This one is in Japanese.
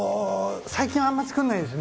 最近あんまり作んないですね。